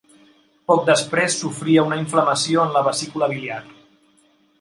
Poc després sofria una inflamació en la vesícula biliar.